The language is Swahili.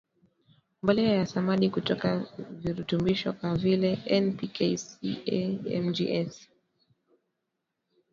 Mbolea ya Samadi hutoa virutubisho kama vile N P K Ca Mg S